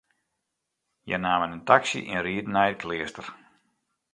Hja namen in taksy en rieden nei it kleaster.